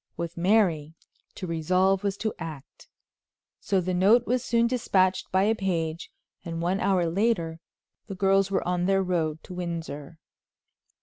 With Mary, to resolve was to act; so the note was soon dispatched by a page, and one hour later the girls were on their road to Windsor.